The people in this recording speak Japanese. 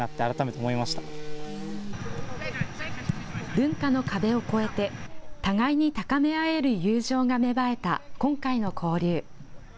文化の壁を越えて互いに高め合える友情が芽生えた今回の交流。